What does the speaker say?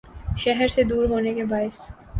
شہر سے دور ہونے کے باعث